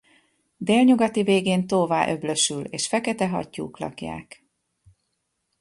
Délnyugati végén tóvá öblösül és fekete hattyúk lakják.